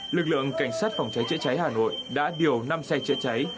lực lượng cảnh sát phòng cháy chữa cháy hà nội đã điều năm xe chữa cháy